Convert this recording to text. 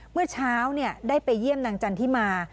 เมื่อเช้าได้ไปเยี่ยมนางจันทิมา